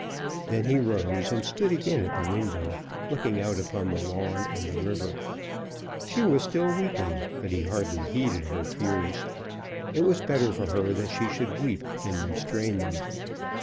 Then he rose and stood again at the window, looking out upon the lawn and the river. She was still weeping, but he hardly heeded her tears. It was better for her that she should weep than restrain them.